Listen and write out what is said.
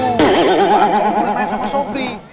bukan boleh main sama sobri